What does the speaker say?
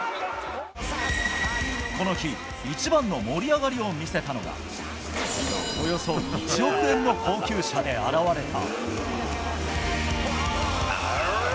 この日一番の盛り上がりを見せたのがおよそ１億円の高級車で現れた。